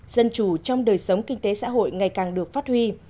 dân chủ trong đời sống kinh tế xã hội ngày càng được phát huy